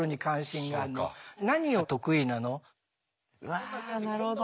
わあなるほど。